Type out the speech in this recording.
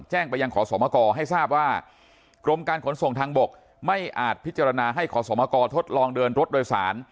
แจ้งไปยังขอสมกรให้ทราบว่ากรมการขนส่งทางบกไม่อาจพิจารณาให้ขอสมกรทดลองเดินรถโดยสาร